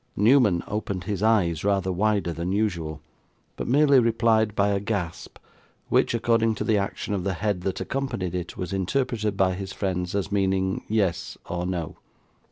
Newman opened his eyes rather wider than usual, but merely replied by a gasp, which, according to the action of the head that accompanied it, was interpreted by his friends as meaning yes or no.